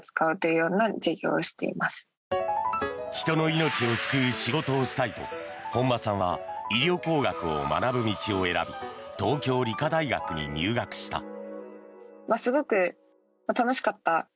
人の命を救う仕事をしたいと本間さんは医療工学を学ぶ道を選び東京理科大学に進学した。